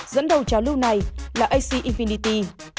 dẫn đầu trà lưu này là ac infinity